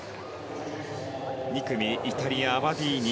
２組、イタリアアバディーニ。